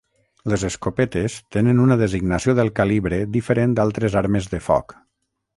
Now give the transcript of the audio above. Les escopetes tenen una designació del calibre diferent d'altres armes de foc.